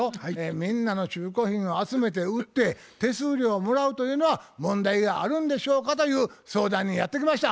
みんなの中古品を集めて売って手数料をもらうというのは問題があるんでしょうかという相談にやって来ました。